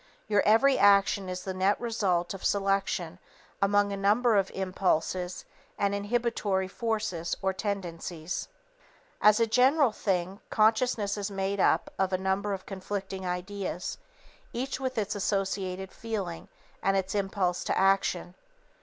Your every action is the net result of selection among a number of impulses and inhibitory forces or tendencies. [Sidenote: The Threshold of Inhibition] As a general thing, consciousness is made up of a number of conflicting ideas, each with its associated feeling and its impulse to action.